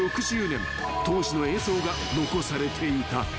［当時の映像が残されていた］